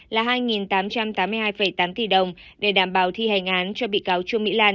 là hai tám trăm tám mươi hai tám tỷ đồng để đảm bảo thi hành án cho bị cáo trương mỹ lan